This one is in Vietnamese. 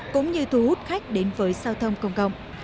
cũng như thu hút khách đến với giao thông công cộng